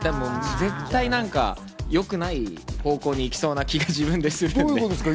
絶対良くない方向に行きそうな気が自分でする。